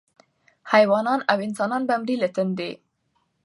حیوانان او انسانان به مري له تندي